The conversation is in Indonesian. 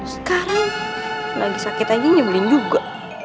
sekarang lagi sakit aja nyebelin juga